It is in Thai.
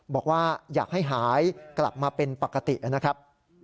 บอกว่าอยากให้หายกลับมาเป็นปกตินะครับ